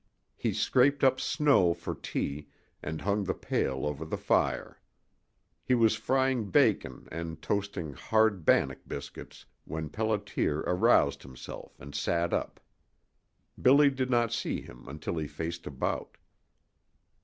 He scraped up snow for tea, and hung the pail over the fire. He was frying bacon and toasting hard bannock biscuits when Pelliter aroused himself and sat up. Billy did not see him until he faced about.